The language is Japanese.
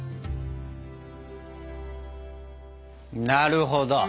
なるほど！